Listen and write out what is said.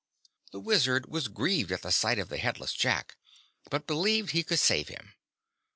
The Wizard was grieved at the sight of the headless Jack, but believed he could save him.